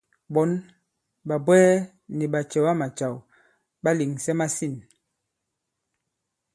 Ɓɔ̌n, ɓàbwɛɛ nì ɓàcɛ̀wamàcàw ɓà lèŋsɛ masîn.